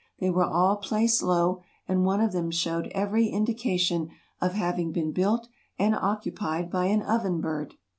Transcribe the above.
They were all placed low, and one of them showed every indication of having been built and occupied by an oven bird.